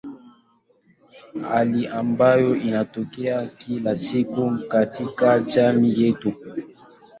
Hali ambayo inatokea kila siku katika jamii yetu.